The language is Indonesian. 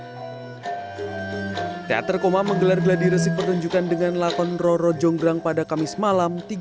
teater koma menggelar gladiresik pertunjukan dengan lakon roro jonggrang pada kamis malam